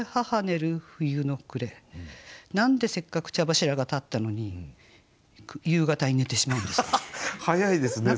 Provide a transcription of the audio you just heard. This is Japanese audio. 何でせっかく茶柱が立ったのに夕方に寝てしまうんでしょう。